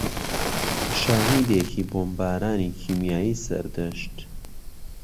شاهێدێکی بۆمبارانی کیمیایی سەردەشت